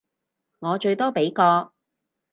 我最多畀個